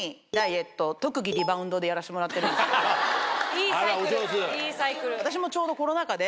いいサイクルいいサイクル。